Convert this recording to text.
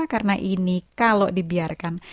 karena ini kalau dibiarkan